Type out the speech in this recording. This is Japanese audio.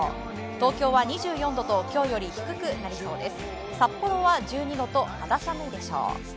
東京は２４度と今日より低くなりそうです。